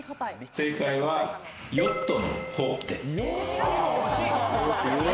正解はヨットの帆です。